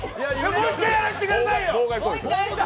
もう一回やらせてくださいよ！